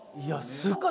すっごい。